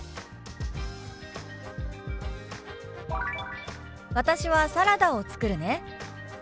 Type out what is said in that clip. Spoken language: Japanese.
「私はサラダを作るね」。